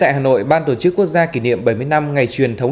hà nội bàn tổ chức quốc gia kỷ niệm bảy mươi năm ngày truyền thông tin